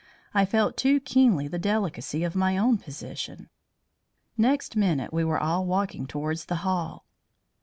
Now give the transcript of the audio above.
I felt too keenly the delicacy of my own position. Next minute we were all walking towards the hall.